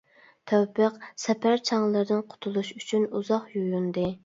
تەۋپىق سەپەر چاڭلىرىدىن قۇتۇلۇش ئۈچۈن ئۇزاق يۇيۇندى.